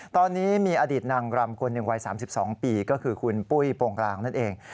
ตอนนี้มีอดีตนางรำคนหนึ่งวัย๓๒ปีก็คือคุณปุ้ยโปรงกลางนั่นเอง